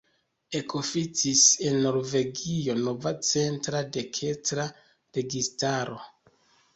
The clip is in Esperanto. Ekoficis en Norvegio nova centra-dekstra registaro.